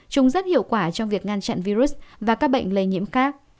chúng rất hiệu quả trong việc ngăn chặn virus và các bệnh lây nhiễm khác